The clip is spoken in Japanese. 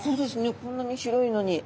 こんなに広いのに。